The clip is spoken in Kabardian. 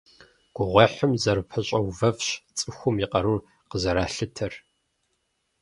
Гугъуехьым зэрыпэщӀэувэфщ цӀыхум и къарури къызэралъытэр.